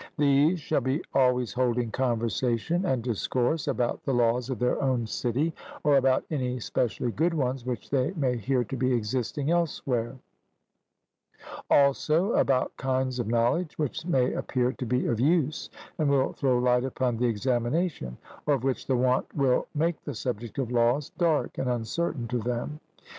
These shall be always holding conversation and discourse about the laws of their own city or about any specially good ones which they may hear to be existing elsewhere; also about kinds of knowledge which may appear to be of use and will throw light upon the examination, or of which the want will make the subject of laws dark and uncertain to them.